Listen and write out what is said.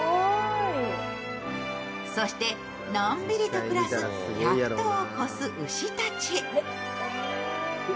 そして、のんびりと暮らす１００頭を超す牛たち。